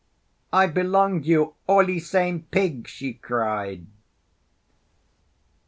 "I belong you all e same pig!" she cried.